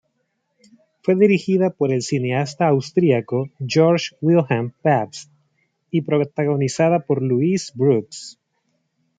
Fue dirigida por el cineasta austriaco Georg Wilhelm Pabst y protagonizada por Louise Brooks.